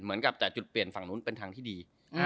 เหมือนกับแต่จุดเปลี่ยนฝั่งนู้นเป็นทางที่ดี